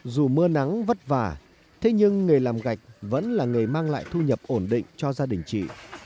dù mưa nắng vất vả thế nhưng nghề làm gạch vẫn là nghề mang lại thu nhập ổn định cho gia đình chị